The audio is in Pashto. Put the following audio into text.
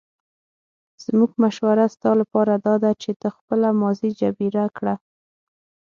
زموږ مشوره ستا لپاره داده چې ته خپله ماضي جبیره کړه.